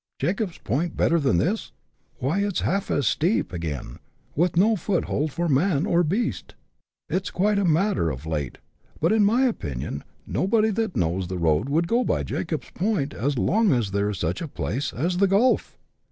" Jacob's Point better than this ? why, it*s half as steep again, with no foothold for man or beast. It's quite a matter of taste, but, in my opinion, nobody that knows the road would go by Jacob's Point as long as there's such a place as ' the Gulf.'